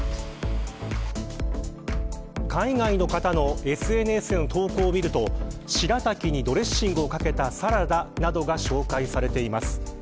海外の方のＳＮＳへの投稿を見るとしらたきにドレッシングをかけたサラダなどが紹介されています。